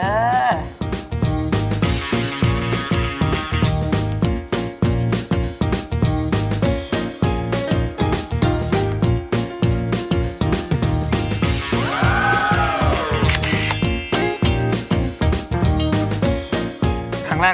อ๋อแม่นแล้วค่ะแม่นแล้วเด้อ